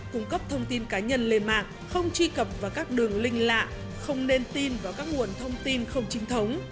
cung cấp thông tin cá nhân lên mạng không truy cập vào các đường linh lạ không nên tin vào các nguồn thông tin không chính thống